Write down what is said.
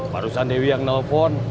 barusan dewi yang nelfon